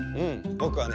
ぼくはね